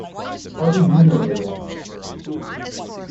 How do you know they won't?